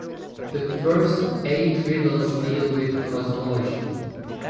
The first eight riddles deal with cosmology.